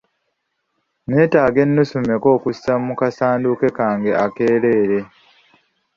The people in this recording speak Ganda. Nneetaaga ennusu mmeka okussa mu kasanduuke kange akeereere?